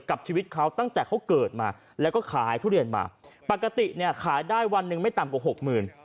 กับชีวิตเขาตั้งแต่เขาเกิดมาแล้วก็ขายทุเรียนมาปกติเนี่ยขายได้วันหนึ่งไม่ต่ำกว่าหกหมื่น